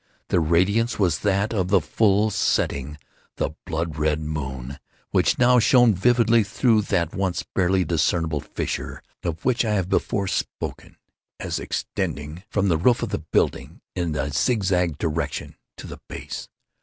The radiance was that of the full, setting, and blood red moon, which now shone vividly through that once barely discernible fissure, of which I have before spoken as extending from the roof of the building, in a zigzag direction, to the base.